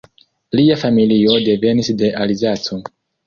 Lia familio devenis de Alzaco.